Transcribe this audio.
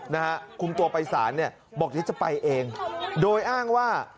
นะฮะคุมตัวไปสารเนี่ยบอกเดี๋ยวจะไปเองโดยอ้างว่า